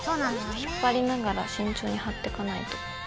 引っ張りながら慎重に貼ってかないと。